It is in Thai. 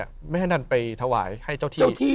ไม่ให้นั่นไปถวายให้เจ้าที่